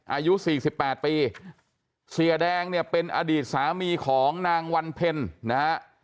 อายุสี่สิบแปดปีเสียแดงเนี่ยเป็นอดีตสามีของนางวันเพ็ญนะฮะ